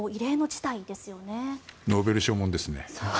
ノーベル賞もんですね。